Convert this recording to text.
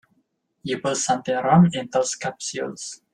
You put something wrong in those capsules.